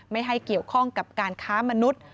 ไม่ให้เกี่ยวข้องกับการค้ามนุษย์